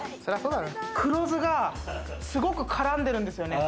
黒酢がすごく絡んでるんですよね。